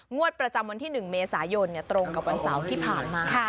งวดประจำวันที่๑เมษายนตรงกับวันเสาร์ที่ผ่านมา